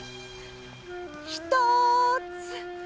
ひとつ！